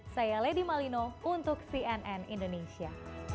saya lady malino untuk cnn indonesia